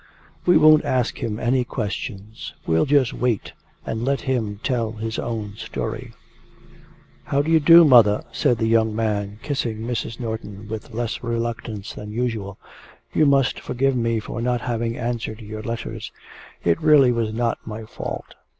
We won't ask him any questions we'll just wait and let him tell his own story ' 'How do you do, mother?' said the young man, kissing Mrs. Norton with less reluctance than usual. 'You must forgive me for not having answered your letters. It really was not my fault....